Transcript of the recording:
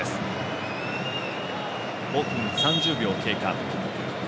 ５分３０秒経過。